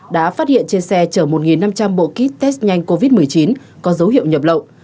đã phát hiện trên xe chở một năm trăm linh bộ kit test nhanh covid một mươi chín có dấu hiệu nhập lậu